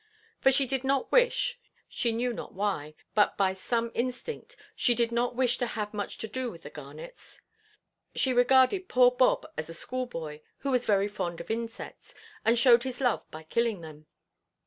For she did not wish—she knew not why—but, by some instinct, she did not wish to have much to do with the Garnets. She regarded poor Bob as a schoolboy, who was very fond of insects, and showed his love by killing them.